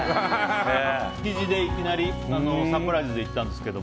築地でいきなりサプライズで行ったんですけど。